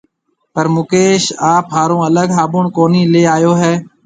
پر مڪيش آپ هارون الگ هابُڻ ڪونهي ليَ آيو هيَ۔